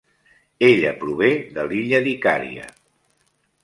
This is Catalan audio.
Ella prové de l'illa d'Icària.